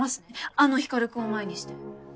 あの光君を前にして。